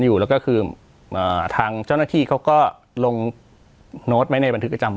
อยู่แล้วก็คือเอ่อทางเจ้านทีเขาก็ลงในบันทึกประจำ